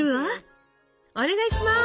お願いします！